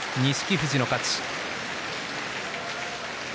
富士の勝ちです。